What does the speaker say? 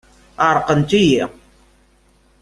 Ɛerqent-iyi.